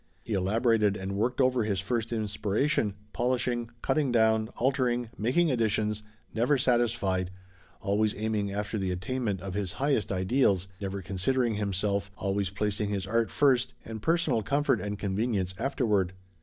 He elaborated and worked over his first inspiration, polishing, cutting down, altering, making additions, never satisfied, always aiming after the attainment of his highest ideals, never considering himself, always placing his art first and personal comfort and convenience afterward.